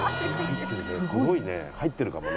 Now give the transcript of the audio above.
すごいね入ってるかもね。